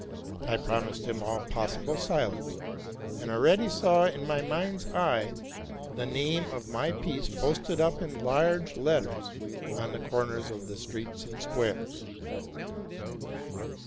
I prom ised him all possible silence, and already saw in my mind's eye the name of my piece posted up in large letters on the corners of the streets and squares.